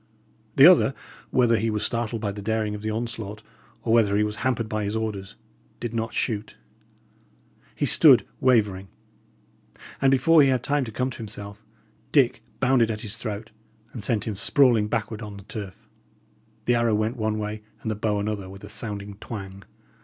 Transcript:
The other, whether he was startled by the daring of the onslaught, or whether he was hampered by his orders, did not shoot; he stood wavering; and before he had time to come to himself, Dick bounded at his throat, and sent him sprawling backward on the turf. The arrow went one way and the bow another with a sounding twang.